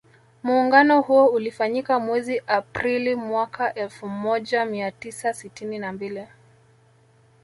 Muungano huo ulifanyika mwezi April mwaka elfu moja mia tisa sitini na mbili